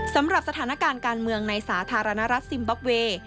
สำหรับสถานการณ์การเมืองในสาธารณรัฐซิมบ็อกเวย์